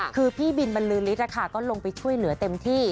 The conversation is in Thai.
คือพี่บินมันลื้อลิตรนะคะก็ลงไปช่วยเหลือเต็มที่